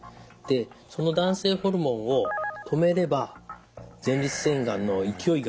その男性ホルモンを止めれば前立腺がんの勢いが収まるんですね。